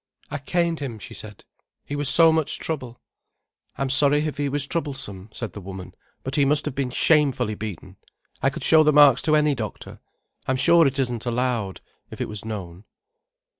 "I caned him," she said. "He was so much trouble." "I'm sorry if he was troublesome," said the woman, "but he must have been shamefully beaten. I could show the marks to any doctor. I'm sure it isn't allowed, if it was known."